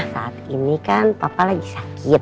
saat ini kan bapak lagi istirahat